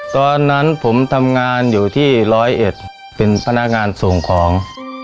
ตอนนั้นผมทำงานอยู่ที่ร้อยเอ็ดเป็นพนักงานส่งของ